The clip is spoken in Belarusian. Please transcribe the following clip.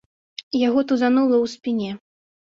Яго тузанула ў спіне.